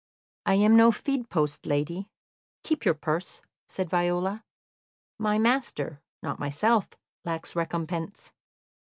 "I am no fee'd post, lady; keep your purse," said Viola. "My master, not myself, lacks recompense.